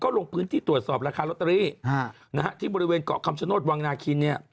ก็ลงพื้นที่ตรวจสอบราคารตรีที่บริเวณเกาะคำชนต์วังนาคิน